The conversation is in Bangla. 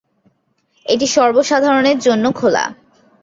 এটি সর্ব-সাধারণে জন্য খোলা।